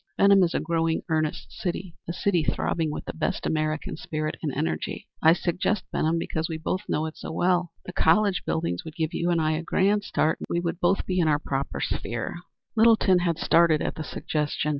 Benham is a growing, earnest city a city throbbing with the best American spirit and energy. I suggest Benham because we both know it so well. The college buildings would give you a grand start, and I we both would be in our proper sphere." Littleton had started at the suggestion.